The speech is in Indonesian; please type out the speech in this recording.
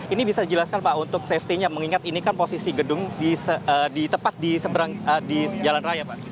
ini bisa dijelaskan pak untuk safety nya mengingat ini kan posisi gedung di tepat di jalan raya pak